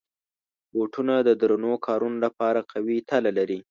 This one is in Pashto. بوټونه د درنو کارونو لپاره قوي تله لري.